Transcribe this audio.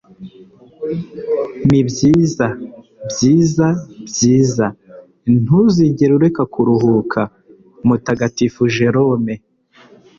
nibyiza, byiza, byiza. ntuzigere ureka kuruhuka. - mutagatifu jerome